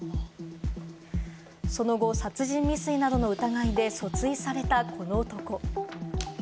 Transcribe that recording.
その後、殺人未遂などの疑いで訴追された、この男。